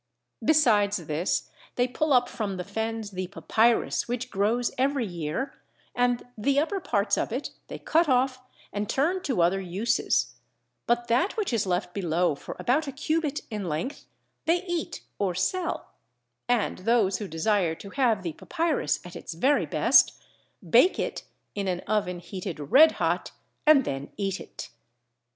Besides this they pull up from the fens the papyrus which grows every year, and the upper parts of it they cut off and turn to other uses, but that which is left below for about a cubit in length they eat or sell: and those who desire to have the papyrus at its very best bake it in an oven heated red hot, and then eat it.